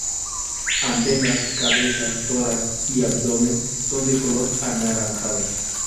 Antenas, cabeza, tórax y abdomen son de color anaranjado.